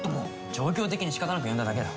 状況的にしかたなく呼んだだけだ。